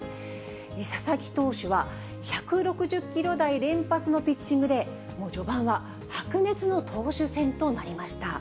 佐々木投手は１６０キロ台連発のピッチングで、序盤は白熱の投手戦となりました。